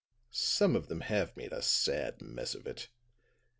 Some of them have made a sad mess of it.